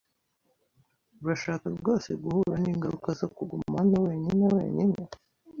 Urashaka rwose guhura n'ingaruka zo kuguma hano wenyine wenyine?